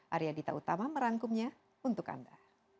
arya dita utama merangkumnya untuk anda